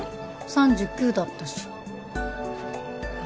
３９だったしあ